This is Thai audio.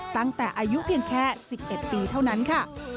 ตั้งแต่อายุเพียงแค่๑๑ปีเท่านั้นค่ะ